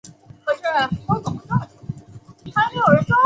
她每天带小女儿走路上学